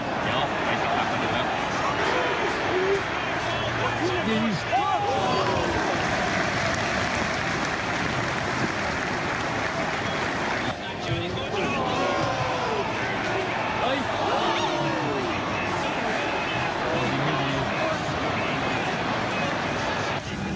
เดี๋ยวผมไปสำรับกันดีกว่า